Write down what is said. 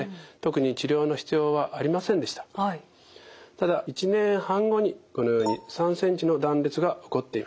ただ１年半後にこのように３ｃｍの断裂が起こっていました。